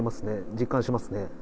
実感しますね。